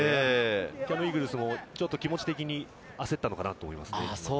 キヤノンイーグルスも気持ち的に焦ったのかなと思います。